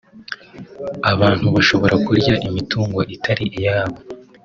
abantu bashobora kurya imitungo itari iyabo